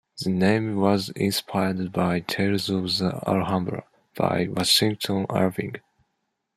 The name was inspired by "Tales of the Alhambra" by Washington Irving.